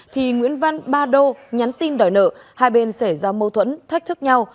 thì nguyễn văn ba đô nhắn tin đòi nợ hai bên xảy ra mâu thuẫn thách thức nhau